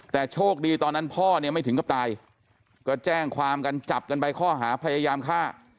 แต่โชคดีตอนนั้นพ่อเนี่ยไม่ถึงกับตายก็แจ้งความกันจับกันไปข้อหาพยายามฆ่า